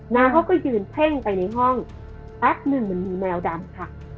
เขาก็ยืนเพ่งไปในห้องแป๊บหนึ่งมันมีแมวดำค่ะ